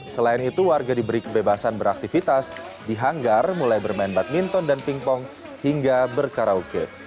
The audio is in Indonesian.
selain itu warga diberi kebebasan beraktivitas di hanggar mulai bermain badminton dan pingpong hingga berkaraoke